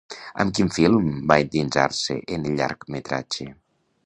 Amb quin film va endinsar-se en el llargmetratge?